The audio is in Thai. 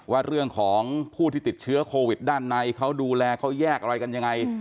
ว่าเรื่องของผู้ที่ติดเชื้อโควิดด้านในเขาดูแลเขาแยกอะไรกันยังไง